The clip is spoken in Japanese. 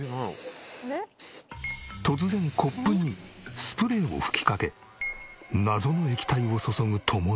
突然コップにスプレーを吹きかけ謎の液体を注ぐとも姉。